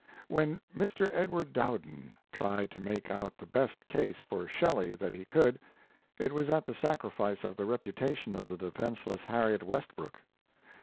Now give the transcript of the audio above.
When Mr. Edward Dowden tried to make out the best case for Shelley that he could, it was at the sacrifice of the reputation of the defenceless Harriet Westbrook.